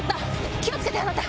気を付けてあなた！